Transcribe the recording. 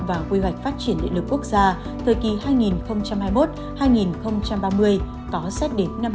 và quy hoạch phát triển điện lực quốc gia thời kỳ hai nghìn hai mươi một hai nghìn ba mươi có xét đến năm hai nghìn bốn mươi năm